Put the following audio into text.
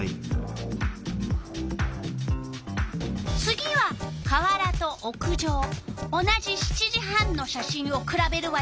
次は川原と屋上同じ７時半の写真をくらべるわよ。